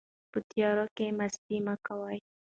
په تیارو کې مستي مه کوئ.